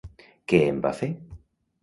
Què en va fer?